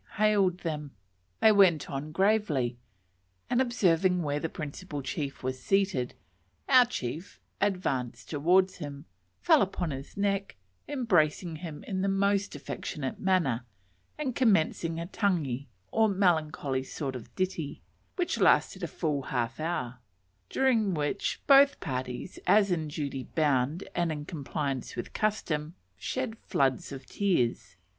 _ hailed them. They went on gravely, and observing where the principal chief was seated, our chief advanced towards him, fell upon his neck, embracing him in the most affectionate manner, and commenced a tangi, or melancholy sort of ditty, which lasted a full half hour; during which, both parties, as in duty bound and in compliance with custom, shed floods of tears.